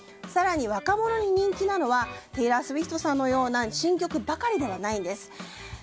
更に若者に人気なのはテイラー・スウィフトさんのような新曲ばかりではないんです。